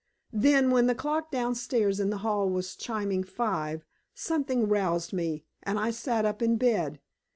Then, when the clock downstairs in the hall was chiming five, something roused me, and I sat up in bed.